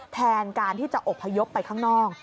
แทนการที่จะอบพยพไปข้างนอก